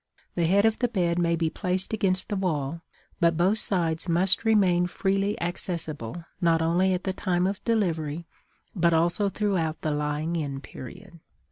The head of the bed may be placed against the wall, but both sides must remain freely accessible not only at the time of delivery but also throughout the lying in period.